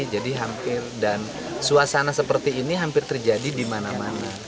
jadi hampir dan suasana seperti ini hampir terjadi di mana mana